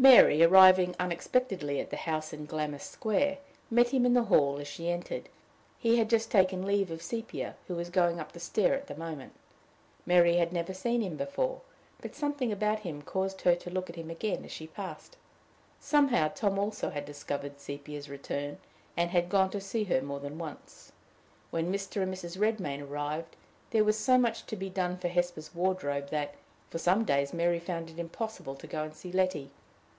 Mary, arriving unexpectedly at the house in Glammis Square, met him in the hall as she entered: he had just taken leave of Sepia, who was going up the stair at the moment. Mary had never seen him before, but something about him caused her to look at him again as he passed. Somehow, Tom also had discovered Sepia's return, and had gone to see her more than once. When Mr. and Mrs. Redmain arrived, there was so much to be done for Hesper's wardrobe that, for some days, Mary found it impossible to go and see Letty.